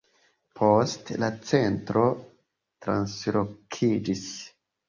Poste la centro translokiĝis.